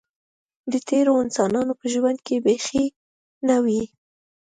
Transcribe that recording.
د تېرو انسانانو په ژوند کې بیخي نه وې.